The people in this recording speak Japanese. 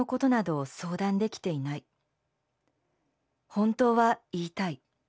本当は言いたい。